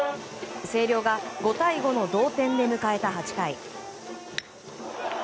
星稜が５対５の同点で迎えた８回。